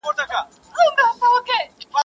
o اجل چي راسي، وخت نه غواړي.